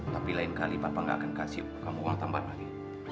tapi lain kali bapak nggak akan kasih kamu uang tambah lagi